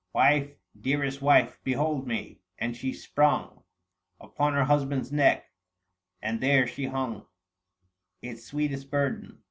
" Wife, dearest wife, behold me !"— and she sprung 815 Upon her husband's neck, and there she hung Its sweetest burden.